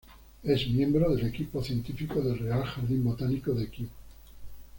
Es miembro del equipo científico del Real Jardín Botánico de Kew.